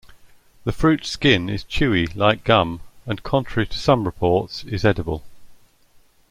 The fruit skin is chewy like gum, and contrary to some reports, is edible.